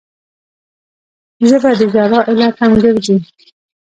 ژبه د ژړا علت هم ګرځي